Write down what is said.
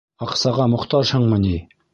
Аҡсаға мохтажһыңмы ни?